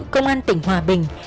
công an tỉnh hòa bình